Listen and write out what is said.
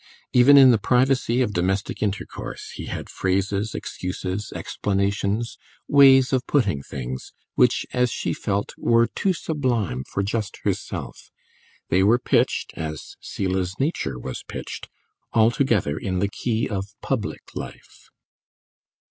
Even in the privacy of domestic intercourse he had phrases, excuses, explanations, ways of putting things, which, as she felt, were too sublime for just herself; they were pitched, as Selah's nature was pitched, altogether in the key of public life.